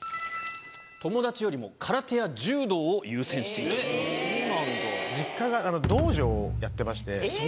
友達よりも空手や柔道を優先していた。をやってまして。